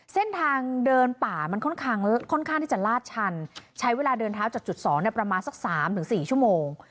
เส้นทางเดินป่ามันค่อนข้างค่อนข้างที่จะลาดชันใช้เวลาเดินเท้าจากจุดสองเนี่ยประมาณสักสามถึงสี่ชั่วโมง